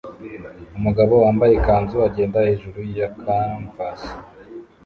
Umugabo wambaye ikanzu agenda hejuru ya canvas